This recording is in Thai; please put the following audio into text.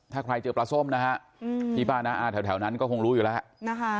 ถ้าใครเจอปลาส้มนะฮะพี่ป้าน้าอาแถวนั้นก็คงรู้อยู่แล้วนะคะ